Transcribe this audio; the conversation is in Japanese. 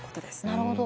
なるほど。